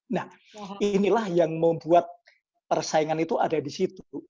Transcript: nah inilah yang membuat persaingan itu ada di situ